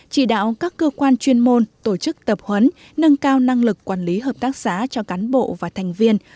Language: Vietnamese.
chỉ đạo các cơ quan chuyên môn tổ chức tập huấn nâng cao năng lực quản lý hợp tác xã cho cán bộ và thành viên